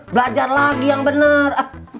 belajar lagi yang benar